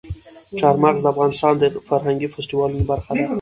چار مغز د افغانستان د فرهنګي فستیوالونو برخه ده.